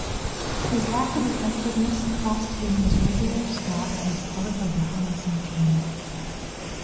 His lack of effectiveness cost him his regular spot as part of the Hansa team.